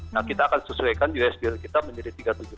nah kita akan sesuaikan usbl kita menjadi tiga ratus tujuh puluh